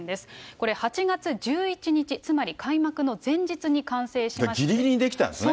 これ８月１１日、つまり開幕の前ぎりぎりに出来たんですね。